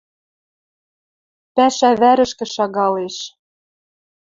Пӓшӓ вӓрӹшкӹ шагалеш